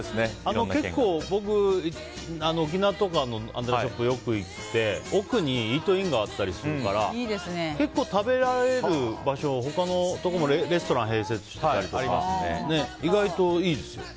結構僕、沖縄とかのアンテナショップによく行って、奥にイートインがあったりするから結構、食べられる場所他のところもレストランを併設していたりとか意外といいですよ。